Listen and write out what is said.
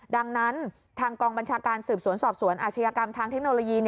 ดังนั้นทางกองบัญชาการสืบสวนสอบสวนอาชญากรรมทางเทคโนโลยี